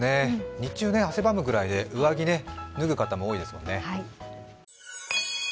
日中汗ばむぐらいで上着を脱ぐ方も多いですね。